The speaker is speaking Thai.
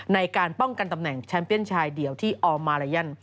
ในการป้องกันตำแหน่งแชมป์เปียนชายเดียวที่ออมมาลายัน